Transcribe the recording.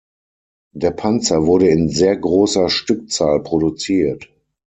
Der Panzer wurde in sehr großer Stückzahl produziert.